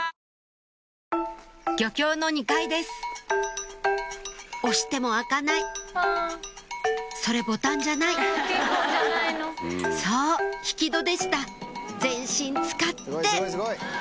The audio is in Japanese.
漁協の２階です押しても開かないそれボタンじゃないそう引き戸でした全身使って！